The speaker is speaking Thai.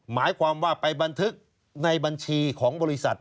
หมายความว่าไปบันทึกในบัญชีของบริษัท